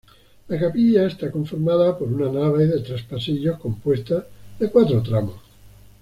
La capilla está conformada por una nave de tres pasillos compuesta de cuatro tramos.